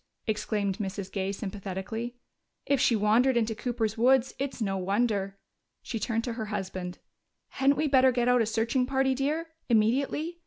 exclaimed Mrs. Gay sympathetically. "If she wandered into Cooper's woods, it's no wonder." She turned to her husband. "Hadn't we better get out a searching party, dear, immediately?